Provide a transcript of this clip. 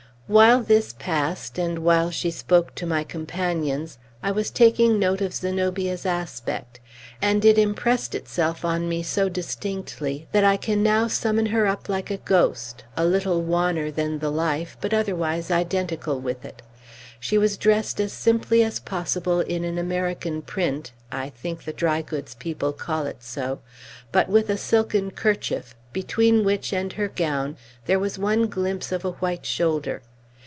While this passed, and while she spoke to my companions, I was taking note of Zenobia's aspect; and it impressed itself on me so distinctly, that I can now summon her up, like a ghost, a little wanner than the life but otherwise identical with it. She was dressed as simply as possible, in an American print (I think the dry goods people call it so), but with a silken kerchief, between which and her gown there was one glimpse of a white shoulder.